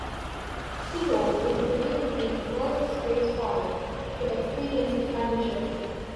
Titov is believed to be the first spacefarer to experience the condition.